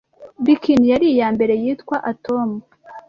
Bikini yari iyambere yitwa Atom